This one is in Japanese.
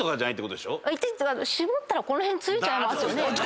搾ったらこの辺付いちゃいますよね。